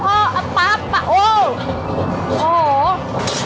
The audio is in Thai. ฮัทป๊อปป๊อปอ้อ